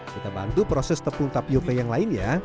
kita bantu proses tepung tapioke yang lain ya